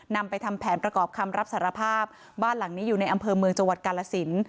นำไปทำแผนประกอบคำรับสารภาพบ้านหลังนี้อยู่ในอำเภอเมืองจังหวัดกาลสิน